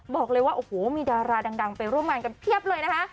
บอกเลยว่าโอ้โหมีดาราดังไปร่วมงานกันเพียบเลยนะคะ